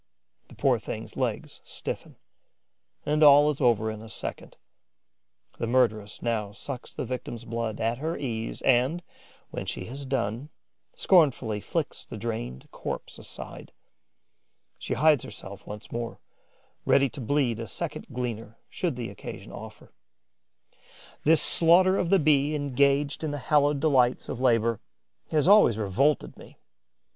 The poor thing's legs stiffen; and all is over in a second. The murderess now sucks the victim's blood at her ease and, when she has done, scornfully flings the drained corpse aside. She hides herself once more, ready to bleed a second gleaner should the occasion offer. This slaughter of the Bee engaged in the hallowed delights of labour has always revolted me.